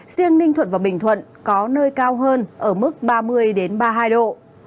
riêng ninh thuận và bình thuận có nơi cao hơn ở mức ba mươi ba mươi hai độ